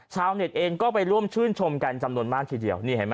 ชาวเน็ตเองก็ไปร่วมชื่นชมการจำลนบ้านทีเดียว